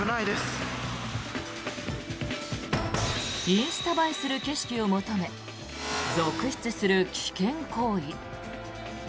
インスタ映えする景色を求め続出する危険行為。